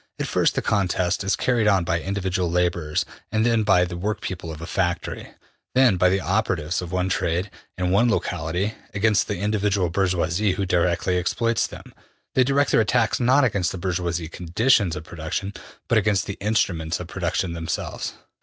At first the contest is carried on by individual laborers, then by the workpeople of a factory, then by the operatives of one trade, in one locality, against the individual bourgeois who directly exploits them. They direct their attacks not against the bourgeois conditions of production, but against the instruments of production themselves.''